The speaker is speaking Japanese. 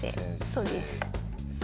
そうです。